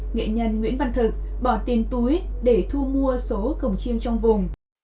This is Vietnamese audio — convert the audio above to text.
nghệ nhân nguyễn văn thực bỏ tiền túi để thu mua số cổng chiêng trong vùng